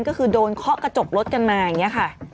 ก็คือโดนเคาะกระจกรถกันมาอย่างนี้ค่ะ